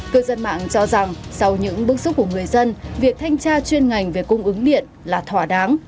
cơ dân mạng cho rằng sau những bước xúc của người dân việc thanh tra chuyên ngành về cung ứng điện là thỏa đáng